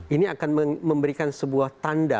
ini akan memberikan sebuah tanda